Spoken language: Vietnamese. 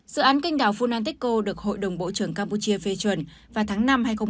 dự án kênh đảo phunanteco được hội đồng bộ trưởng campuchia phê chuẩn vào tháng năm hai nghìn hai mươi ba